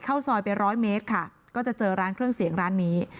เข้าซอยไปร้อยเมตรค่ะก็จะเจอร้านเครื่องเสียงร้านนี้